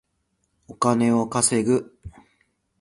お金を稼ぐ